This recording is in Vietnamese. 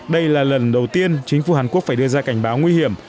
đây là lần đầu tiên chính phủ hàn quốc phải đưa ra cảnh báo nguy hiểm